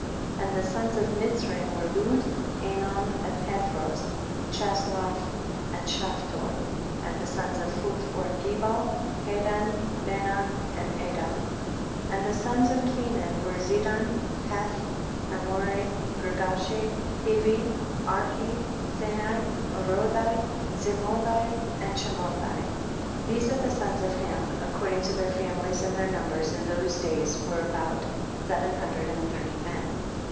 1 ]. And the sons of Mitzraim were Lud, Anom and Pathros, Chas loth and Chaphtor. 12. And the sons of Phut were Gebul , Hadan, Benah and Adan. 16 THE BOOK OF JASHER. 13. And the sons of Canaan were Zidon, Heth, Amori, Gergashi, Hivi, Arkee, Seni, Arodi, Zimodi and Chamothi. 14. These are the sons of Ham, according to their famihes, and their numbers in those days were about seven hundred and thirty men.